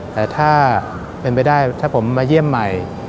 แต่ถ้าเป็นไปได้ถ้าผมมาเยี่ยมใหม่